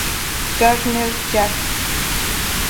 Garner, Jack.